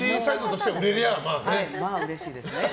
まあ、うれしいですね。